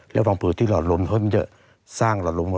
แล้วผังผืดที่หลอดลมเพราะว่ามันจะสร้างหลอดลม